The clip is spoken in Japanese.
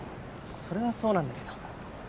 それはそうなんだけど。